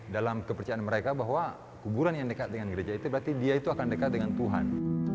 dalam kepercayaan mereka bahwa kuburan yang dekat dengan gereja itu berarti dia itu akan dekat dengan tuhan